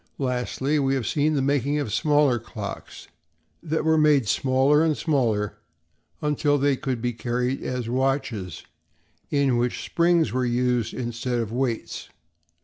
Lastly, we have seen the making of smaller clocks—that were made smaller and smaller until they could be carried as watches, in which springs were used instead of weights.